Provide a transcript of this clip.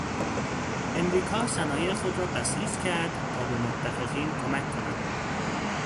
امریکا صنایع خود را بسیج کرد تا به متفقین کمک کند.